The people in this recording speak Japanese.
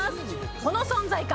この存在感！